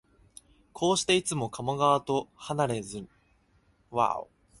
こうして、いつも加茂川とはなれずに住まってきたのも、